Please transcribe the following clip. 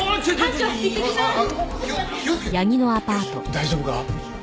大丈夫か？